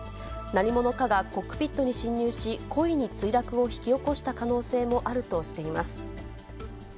何者かがコックピットに侵入し、故意に墜落を引き起こした可能性もあるとしています。